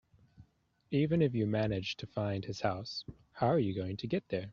Even if you managed to find his house, how are you going to get there?